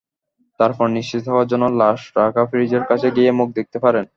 তারপর নিশ্চিত হওয়ার জন্য লাশ রাখা ফ্রিজের কাছে গিয়ে মুখ দেখতে পারেন।